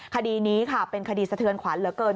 คดีนี้ค่ะเป็นคดีสะเทือนขวัญเหลือเกิน